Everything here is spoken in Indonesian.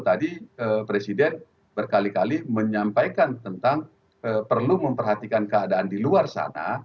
tadi presiden berkali kali menyampaikan tentang perlu memperhatikan keadaan di luar sana